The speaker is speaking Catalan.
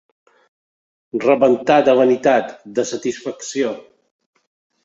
Rebentar de vanitat, de satisfacció.